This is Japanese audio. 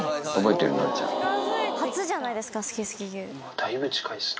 だいぶ近いっすね。